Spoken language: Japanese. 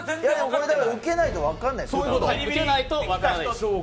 これ、受けないと分からない。